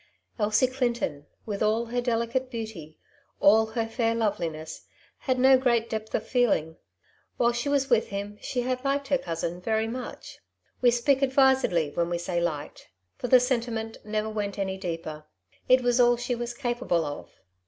Elsie Clinton, with all her delicate beauty, all The Delanys' Side of the Question, 173 her fair loveliness, had no great depth of feeling. While she was with him, she had liked her cousin veiy much. We speak advisedly when we say likedy for the sentiment never went any deeper ; it was all she was capable of.